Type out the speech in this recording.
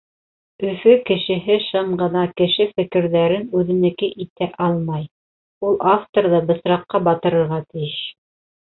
Өфө кешеһе шым ғына кеше фекрҙәрен үҙенеке итә алмай. Ул авторҙы бысраҡҡа батырырға тейеш.